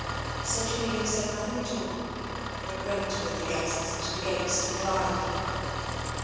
Sir Julian said nothing at all, but went with the guests to the gates of the drive.